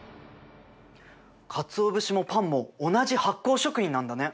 かつお節もパンも同じ発酵食品なんだね。